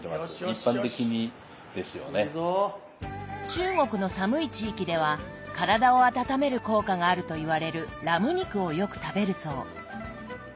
中国の寒い地域では体を温める効果があるといわれるラム肉をよく食べるそう。